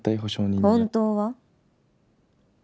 本当は？